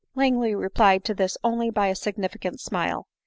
Langley replied to this only by a significant smile.